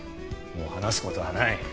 もう話す事はない。